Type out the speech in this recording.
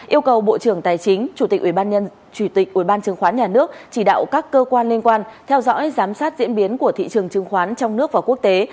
yêu cầu bộ trưởng tài chính chủ tịch ubnd chứng khoán nhà nước chỉ đạo các cơ quan liên quan theo dõi giám sát diễn biến của thị trường chứng khoán trong nước và quốc tế